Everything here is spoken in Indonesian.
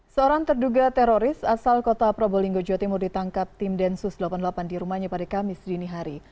seorang terduga teroris asal kota probolinggo jawa timur ditangkap tim densus delapan puluh delapan di rumahnya pada kamis dini hari